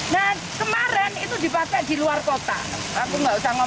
nah kemarin itu dipakai di luar kota